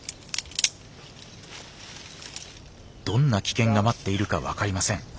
どんな危険が待っているかわかりません。